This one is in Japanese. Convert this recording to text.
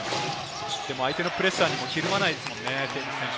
相手のプレッシャーにもひるまないですもんね。